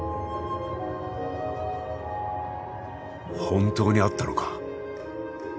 本当にあったのか。